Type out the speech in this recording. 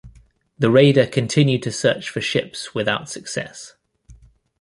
The raider continued to search for ships without success.